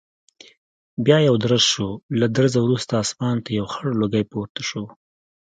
بیا یو درز شو، له درزه وروسته اسمان ته یو خړ لوګی پورته شو.